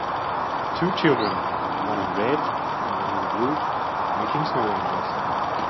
Two children, one in red and one in blue, making snow angels.